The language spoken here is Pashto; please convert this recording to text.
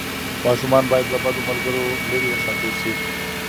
ماشومان باید له بدو ملګرو لرې وساتل شي.